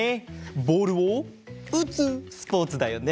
ボールをうつスポーツだよね。